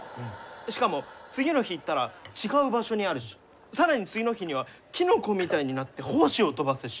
しかも次の日行ったら違う場所にあるし更に次の日にはキノコみたいになって胞子を飛ばすし。